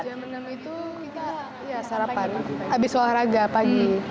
jam enam itu kita sarapan habis olahraga pagi